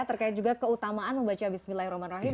terkait juga keutamaan membaca bismillahirrahmanirrahim